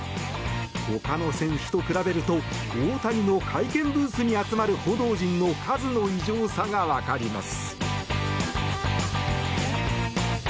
ほかの選手と比べると大谷の会見ブースに集まる報道陣の数の異常さがわかります。